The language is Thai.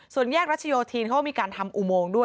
ส่วนแยกรัชโยธินเขาก็มีการทำอุโมงด้วย